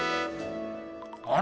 あれ？